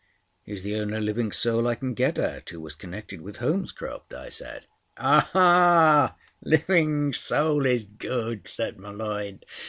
"He's the only living soul I can get at who was connected with Holmescroft," I said. "Ah! Living soul is good," said M'Leod.